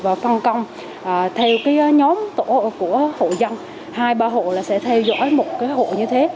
và phân công theo nhóm tổ của hộ dân hai ba hộ sẽ theo dõi một hộ như thế